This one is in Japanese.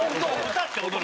歌って踊る。